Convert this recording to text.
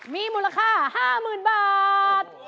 มีมูลค่า๕๐๐๐บาท